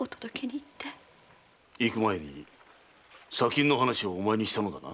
行く前に砂金の話をお前にしたのだな？